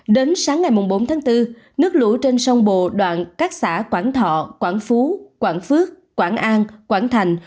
đến sáng ngày bốn tháng bốn nước lũ trên sông bồ đoạn các xã quảng thọ quảng phú quảng phước quảng an quảng thành